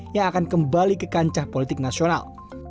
yang akan kembali ke kancah politik nasional